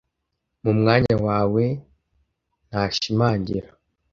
mu mwanya wawe nashimangira